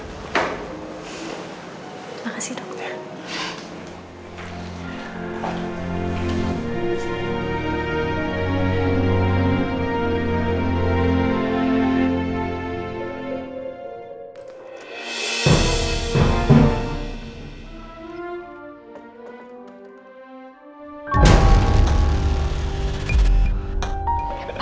terima kasih dokter